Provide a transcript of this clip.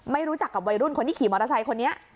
รู้จักกับวัยรุ่นคนที่ขี่มอเตอร์ไซค์คนนี้